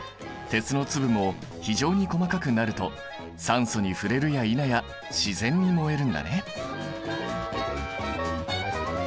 鉄の粒も非常に細かくなると酸素に触れるやいなや自然に燃えるんだね。